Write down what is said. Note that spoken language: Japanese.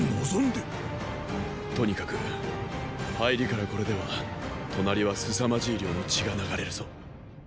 とにかく入りからこれでは隣はすさまじい量の血が流れるぞ。